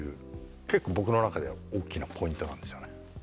結構僕の中では大きなポイントなんですよね。